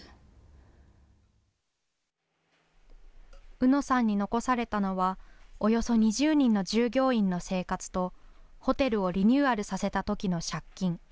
うのさんに残されたのは、およそ２０人の従業員の生活とホテルをリニューアルさせたときの借金。